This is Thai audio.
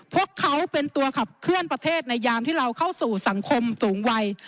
พวกเขาเป็นตัวขับเคลื่อนประเทศในยามที่เราเข้าสู่สังคมสูงวัย